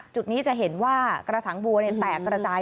จุดนี้จะเห็นว่ากระถางบัวแตกกระจาย